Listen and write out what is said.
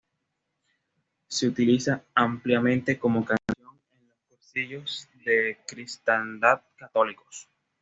Se utiliza ampliamente como canción en los Cursillos de Cristiandad católicos.